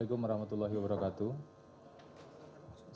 assalamu'alaikum warahmatullahi wabarakatuh